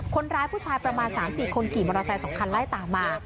ผู้ชายประมาณ๓๔คนขี่มอเตอร์ไซค์๒คันไล่ตามมา